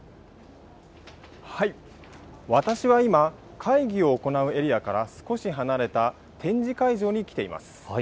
私は今、会議を行うエリアから少し離れた展示会場に来ています。